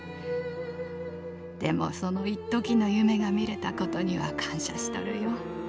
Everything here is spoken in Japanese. でもその一時の夢が見れた事には感謝しとるよ。